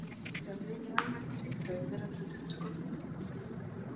Chamiet nebo iman kosirtoe keratutik tugul